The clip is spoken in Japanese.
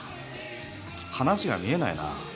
話が見えないな。